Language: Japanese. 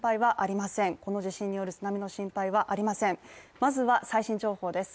まずは最新情報です。